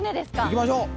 行きましょう。